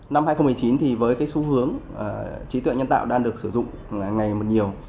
năm hai nghìn một mươi chín thì với cái xu hướng trí tuệ nhân tạo đang được sử dụng ngày một nhiều